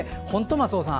松尾さん。